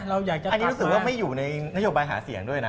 อันนี้รู้สึกว่าไม่อยู่ในนโยบายหาเสียงด้วยนะ